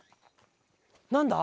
何だ？